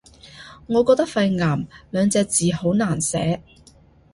我覺得肺癌兩隻字好難寫